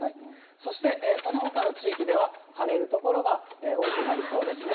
そして、そのほかの地域では晴れる所が多くなりそうですね。